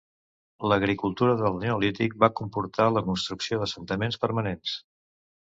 L'agricultura del Neolític va comportar la construcció d'assentaments permanents.